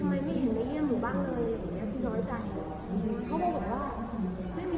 ทำไมไม่เห็นได้เยี่ยมหนูบ้างเลยอย่างเนี้ยพี่โน้ยจำ